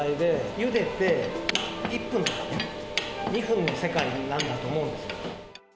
ゆでて１分とか２分の世界なんだと思うんです。